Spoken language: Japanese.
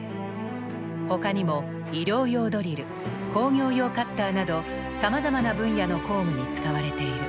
ほかにも医療用ドリル工業用カッターなどさまざまな分野の工具に使われている。